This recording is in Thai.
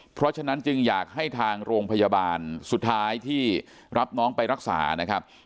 เพราะฉะนั้นจึงอยากให้ทางโรงพยาบาลสุดท้ายที่รับน้องไปรักษานะครับ